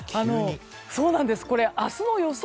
これ、明日の予想